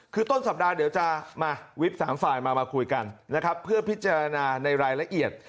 คือต้นสัปดาห์เดี๋ยวจะมาวิบสามฝ่ายมามาคุยกันนะครับเพื่อพิจารณาในรายละเอียด